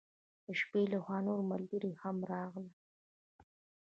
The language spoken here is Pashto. د شپې له خوا نور ملګري هم راغلل.